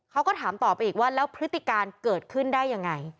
เขาก็ถามต่อไปอีกว่าแล้วพฤติการเกิดขึ้นได้ยังไง